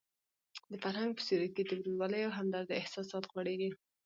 د فرهنګ په سیوري کې د ورورولۍ او همدردۍ احساسات غوړېږي.